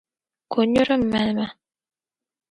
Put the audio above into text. Konyuri m-mali ma.